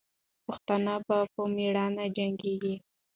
پښتانه به په میړانې جنګېږي.